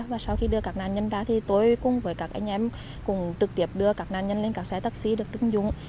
và sau khi đưa các nạn nhân ra thì tôi cùng với các anh em cũng trực tiếp đưa các nạn nhân lên các xe taxi được chứng dụng